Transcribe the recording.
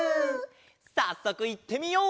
さっそくいってみよう！